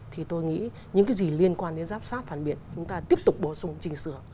thì tôi nghĩ những cái gì liên quan đến giám sát phản biện chúng ta tiếp tục bổ sung trình sửa